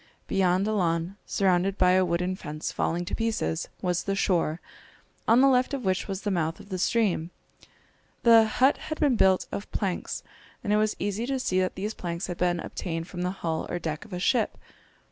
Beyond a lawn, surrounded by a wooden fence falling to pieces, was the shore, on the left of which was the mouth of the stream. The hut had been built of planks, and it was easy to see that these planks had been obtained from the hull or deck of a ship.